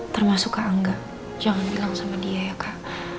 termasuk kak angga jangan bilang sama dia ya kak